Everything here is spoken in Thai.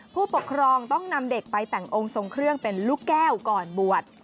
ผู้ปกครองต้องนำเด็กไปแต่งองค์ทรงเครื่องเป็นลูกแก้วก่อนบวช